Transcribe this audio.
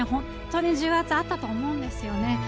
重圧あったと思うんですよね。